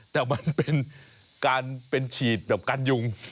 แต่มันเป็นการเป็นฉีดแบบการยุง